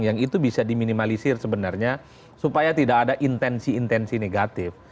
yang itu bisa diminimalisir sebenarnya supaya tidak ada intensi intensi negatif